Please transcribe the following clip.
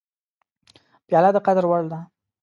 پیاله د قدر وړ ده.